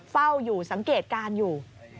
เฝ้าอยู่สังเกตการณ์อยู่